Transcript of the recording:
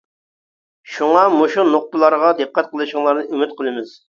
شۇڭا مۇشۇ نۇقتىلارغا دىققەت قىلىشىڭلارنى ئۈمىد قىلىمىز.